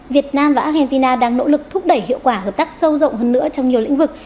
việt nam và argentina đang nỗ lực thúc đẩy hiệu quả hợp tác sâu rộng hơn nữa trong nhiều lĩnh vực